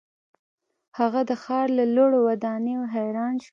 هغه د ښار له لوړو ودانیو حیران شو.